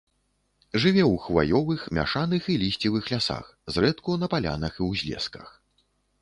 Жыве ў хваёвых, мяшаных і лісцевых лясах, зрэдку на палянах і ўзлесках.